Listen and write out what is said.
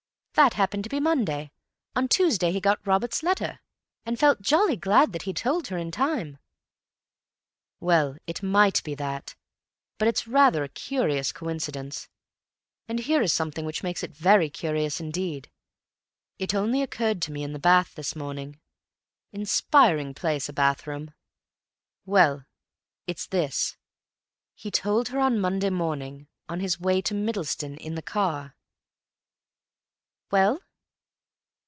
That happened to be Monday. On Tuesday he got Robert's letter, and felt jolly glad that he'd told her in time." "Well, it might be that, but it's rather a curious coincidence. And here is something which makes it very curious indeed. It only occurred to me in the bath this morning. Inspiring place, a bathroom. Well, it's this—he told her on Monday morning, on his way to Middleston in the car." "Well?"